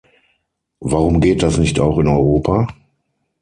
Warum geht das nicht auch in Europa?